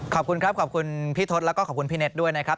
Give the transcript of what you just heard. ขอบคุณครับขอบคุณพี่ทศแล้วก็ขอบคุณพี่เน็ตด้วยนะครับ